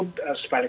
kita harus belajar